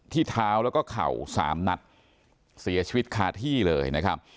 เท้าแล้วก็เข่าสามนัดเสียชีวิตคาที่เลยนะครับ